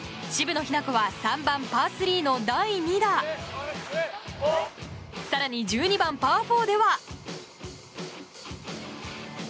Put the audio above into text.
渋野日向子は３番、パー３の第２打更に１２番、パー４では。